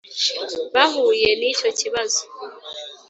Bahuye n icyo kibazo